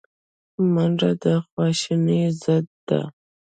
منډه د خواشینۍ ضد ده